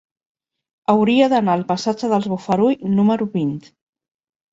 Hauria d'anar al passatge dels Bofarull número vint.